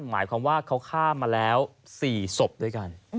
หมายความว่าเขาฆ่ามาแล้ว๔ศพด้วยกัน